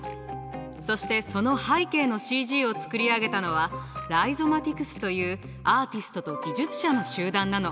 そしてその背景のＣＧを作り上げたのはライゾマティクスというアーティストと技術者の集団なの。